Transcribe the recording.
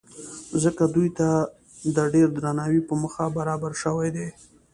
ځکه دوی ته د ډېر درناوۍ په موخه برابر شوي دي.